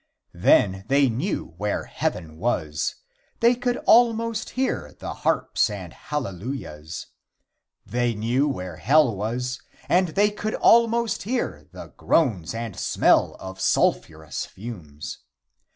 Then they knew where heaven was. They could almost hear the harps and hallelujahs. They knew where hell was, and they could almost hear the groans and smell the sulphurous fumes.